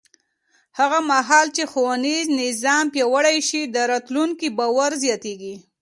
هغه مهال چې ښوونیز نظام پیاوړی شي، د راتلونکي باور زیاتېږي.